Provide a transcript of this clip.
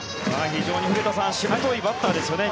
非常に古田さんしぶといバッターですよね。